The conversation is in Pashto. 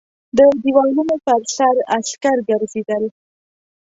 د دېوالونو پر سر عسکر ګرځېدل.